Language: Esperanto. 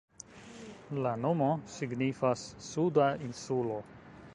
La nomo signifas "Suda insulo".